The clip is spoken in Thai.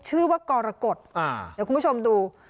ชื่อว่ากรกฎเดี๋ยวคุณผู้ชมดู